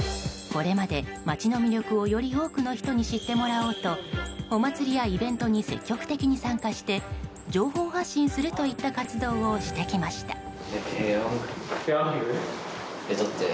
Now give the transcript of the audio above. これまで町の魅力をより多くの人に知ってもらおうとお祭りやイベントに積極的に参加して情報発信するといった活動をしてきました。